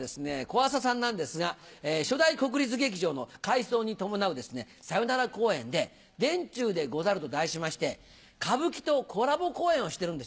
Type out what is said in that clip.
小朝さんなんですが初代国立劇場の改装に伴うさよなら公演で『殿中でござる』と題しまして歌舞伎とコラボ公演をしてるんですよね。